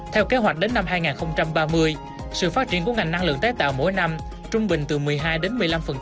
theo kế hoạch đến năm hai nghìn ba mươi sự phát triển của ngành năng lượng tái tạo mỗi năm trung bình từ một mươi hai đến một mươi năm